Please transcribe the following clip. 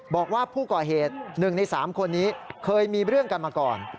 บอกว่าผู้ก่อเหตุ๑ใน๓คนนี้เคยมีเรื่องกันมาก่อน